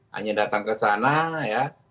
hanya datang kesana ya